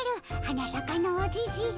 花さかのおじじ。